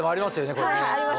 これね。